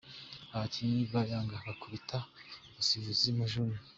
Abakinnyi ba Yanga bakubita umusifuzi Mujuni.